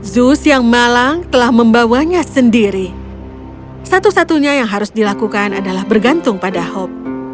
zeus yang malang telah membawanya sendiri satu satunya yang harus dilakukan adalah bergantung pada hope